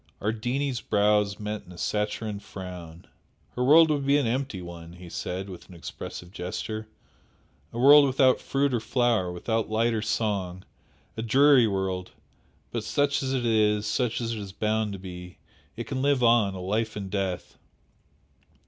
Ardini's brows met in a saturnine frown. "Her world will be an empty one!" he said, with an expressive gesture "A world without fruit or flower, without light or song! A dreary world! But such as it is, such as it is bound to be, it can live on, a life in death."